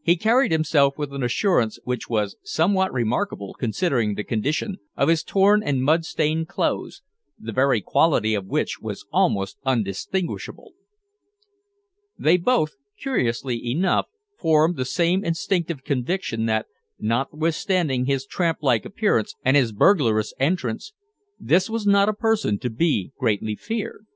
He carried himself with an assurance which was somewhat remarkable considering the condition of his torn and mud stained clothes, the very quality of which was almost undistinguishable. They both, curiously enough, formed the same instinctive conviction that, notwithstanding his tramplike appearance and his burglarious entrance, this was not a person to be greatly feared.